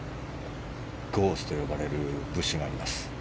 ゴースと呼ばれるブッシュがあります。